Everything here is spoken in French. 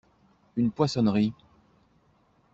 Une poissonnerie.